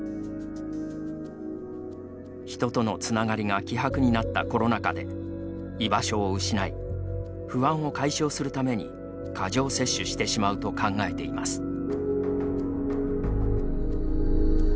人とのつながりが希薄になったコロナ禍で居場所を失い不安を解消するために過剰摂取してしまうと考えています。